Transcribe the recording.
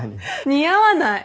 似合わない。